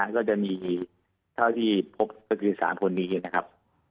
ก็จะมีเท่าที่พบก็คือ๓คนนี้นะครับ